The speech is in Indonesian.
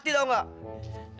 oke siapa yang sakit